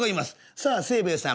さあ清兵衛さん